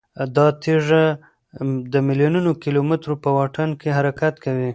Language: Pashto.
دا تیږه د میلیونونو کیلومترو په واټن کې حرکت کوي.